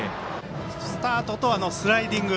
スタートとスライディング。